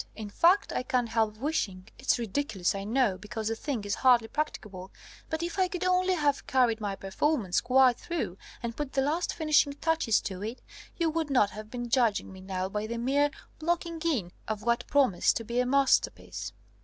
In fact, I can't help wishing it's ridiculous, I know, because the thing is hardly practicable but if I could only have carried my performance quite through, and put the last finishing touches to it, you would not have been judging me now by the mere 'blocking in' of what promised to be a masterpiece!"